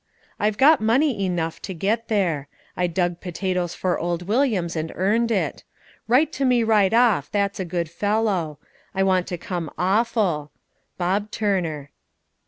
I've got money enuff to get there. I dug potatoes for old Williams and earned it. Rite to me rite off that's a good fellow. I want to com awful. BOB TURNER."